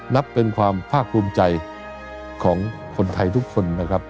นับเป็นความภาคภูมิใจของคนไทยทุกคนนะครับ